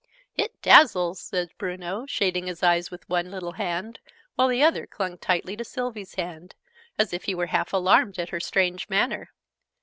"It dazzles!" said Bruno, shading his eyes with one little hand, while the other clung tightly to Sylvie's hand, as if he were half alarmed at her strange manner.